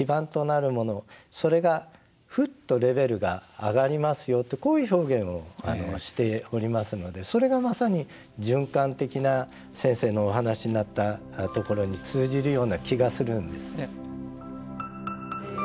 それがフッとレベルが上がりますよってこういう表現をしておりますのでそれがまさに循環的な先生のお話しになったところに通じるような気がするんですね。